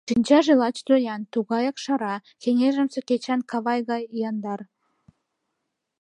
Шинчаже лач Зоян — тугаяк шара, кеҥежымсе кечан кава гай яндар.